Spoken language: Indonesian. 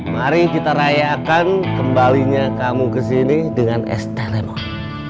mari kita rayakan kembalinya kamu ke sini dengan es teh lemon